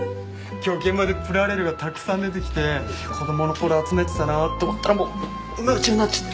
今日現場でプラレールがたくさん出てきて子供の頃集めてたなって思ったらもう夢中になっちゃって。